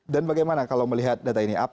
dan bagaimana kalau melihat data ini